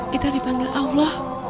kita dipanggil allah